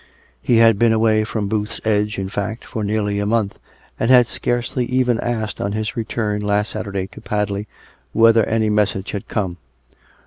He had been away from Booth's Edge, in fact, for nearly a month, and had scarcely even asked on his return last Saturday to Padley, whether any message had come.